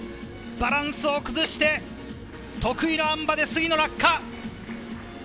バランスを崩して得意のあん馬で杉野、落下。